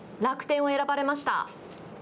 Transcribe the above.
楽天を選ばれました。